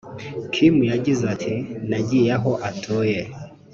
Kim yagize ati “Nagiye aho atuye